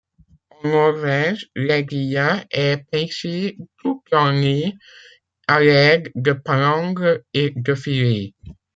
En Norvège, l'aiguillat est pêché toute l'année, à l'aide de palangres et de filets.